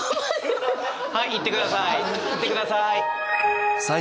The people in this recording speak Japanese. いってください。